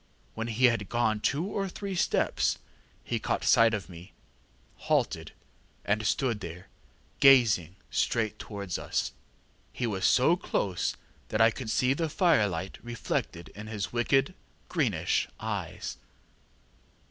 When he had gone two or three steps he caught sight of me, halted, and stood there gazing straight towards us; he was so close that I could see the firelight reflected in his wicked, greenish eyes.